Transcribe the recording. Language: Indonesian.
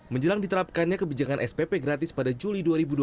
menjelang diterapkannya kebijakan spp gratis pada juli dua ribu dua puluh